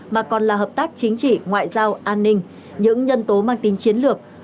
mà còn là hợp tác chính trị ngoại giao an ninh những nhân tố mang tính chiến lược